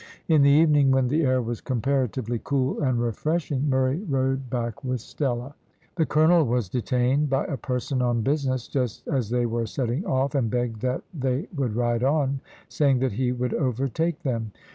In the evening, when the air was comparatively cool and refreshing, Murray rode back with Stella. The colonel was detained by a person on business just as they were setting off, and begged that they would ride on, saying that he would overtake them.